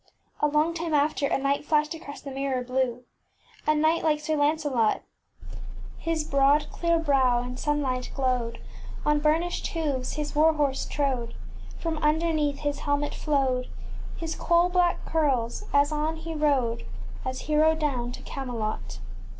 ŌĆÖ A long time after a knight flashed across the mirror blue. A knight like Sir Lancelot: t ! Ibvtt Ofllrabettf ŌĆ£ His broad clear brow in sun light glowed. On burnished hooves his war horse trode. From underneath his hel met flowed His coal black curls, as on he rode, As he rode down to Cam elot.